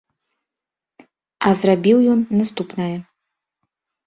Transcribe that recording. А зрабіў ён наступнае.